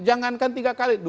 jangankan tiga kali